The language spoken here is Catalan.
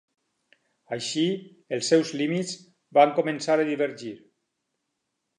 Així, els seus límits van començar a divergir.